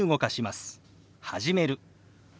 「始める」。